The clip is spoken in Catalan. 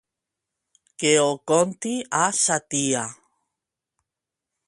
Que ho conti a sa tia.